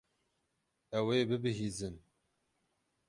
Ew ê bibihîzin.